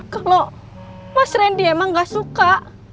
kalau mas randy emang gak suka